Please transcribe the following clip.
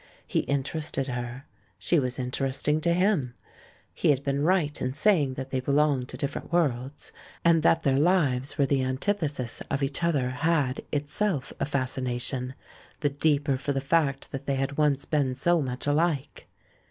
He interested her; she was interesting to him. He had been right in saying that they belonged to different worlds ; and that their lives were the antithesis of each other had, itself, a fascination — the deeper for the fact that they had once been so much alike.